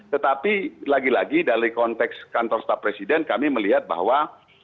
tetapi lagi lagi dari konteks kantor staf presiden kami melihat bahwa